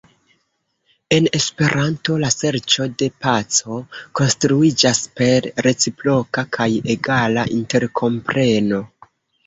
En Esperanto, la serĉo de paco konstruiĝas per reciproka kaj egala interkompreno.